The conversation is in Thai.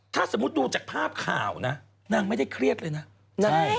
ถ้าสมมุติดูจากภาพข่าวนะนางไม่ได้เครียดเลยนะ